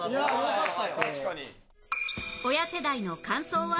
よかった！